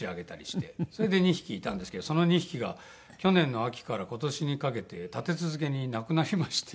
それで２匹いたんですけどその２匹が去年の秋から今年にかけて立て続けに亡くなりまして。